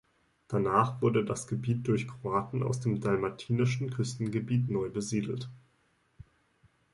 Danach wurde das Gebiet durch Kroaten aus dem dalmatinischen Küstengebiet neu besiedelt.